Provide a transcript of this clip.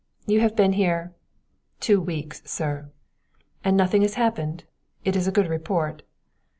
"You have been here " "Two weeks, sir." "And nothing has happened? It is a good report."